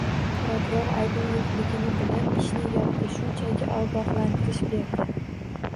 Prokuror aybim yo`qligini bilib, ishni yopdi, shunchaki ogohlantirish berdi